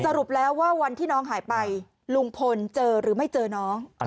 สรุปแล้วว่าวันที่น้องหายไปลุงพลเจอหรือไม่เจอน้อง